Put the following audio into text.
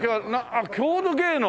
あっ郷土芸能？